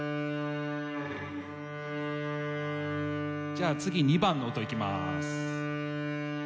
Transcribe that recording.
じゃあ次２番の音いきまーす。